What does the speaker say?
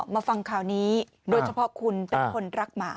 มาฟังข่าวนี้โดยเฉพาะคุณเป็นคนรักหมา